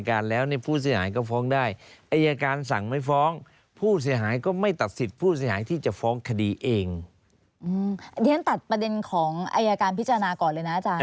อันนี้ฉันตัดประเด็นของอายการพิจารณาก่อนเลยนะอาจารย์